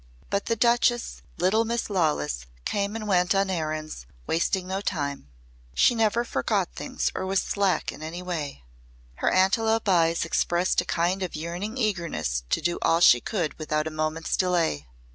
But the Duchess' little Miss Lawless came and went on errands, wasting no time. She never forgot things or was slack in any way. Her antelope eyes expressed a kind of yearning eagerness to do all she could without a moment's delay.